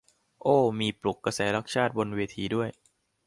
โอ้ มีปลุกกระแสรักชาติบนเวทีด้วย